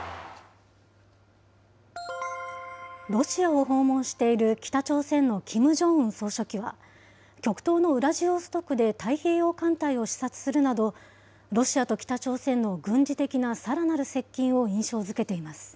ロシアを訪問している北朝鮮のキム・ジョンウン総書記は、極東のウラジオストクで太平洋艦隊を視察するなど、ロシアと北朝鮮の軍事的なさらなる接近を印象づけています。